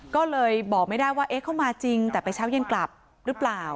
ก็เลยบอกไม่ได้ว่าเอ๊ะเข้ามาจริงแต่ไปเช้าเย็นกลับหรือเปล่า